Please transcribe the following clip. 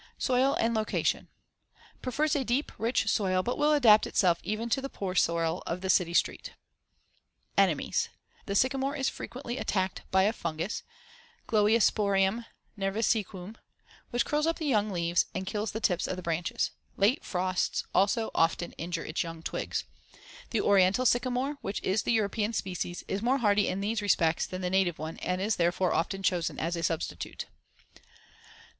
Soil and location: Prefers a deep rich soil, but will adapt itself even to the poor soil of the city street. Enemies: The sycamore is frequently attacked by a fungus (Gloeosporium nervisequum), which curls up the young leaves and kills the tips of the branches. Late frosts also often injure its young twigs. The Oriental sycamore, which is the European species, is more hardy in these respects than the native one and is therefore often chosen as a substitute.